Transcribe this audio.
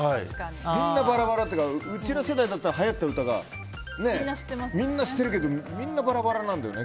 みんなバラバラというかうちら世代だったらはやった歌はみんな知ってるけど、聞いたらみんなバラバラなんだよね。